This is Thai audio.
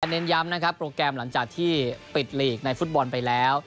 เน้นย้ำนะครับโปรแกรมหลังจากที่ปิดลีกในฟุตบอลไปแล้ว